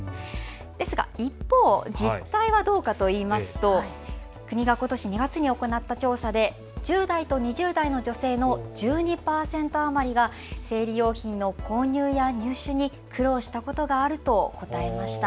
ですが一方、実態はどうかといいますと国がことし２月に行った調査で１０代と２０代の女性の１２％余りが生理用品の購入や入手に苦労したことがあると答えました。